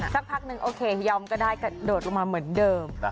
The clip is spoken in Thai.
สักพักนึงโอเคยอมก็ได้กระโดดลงมาเหมือนเดิม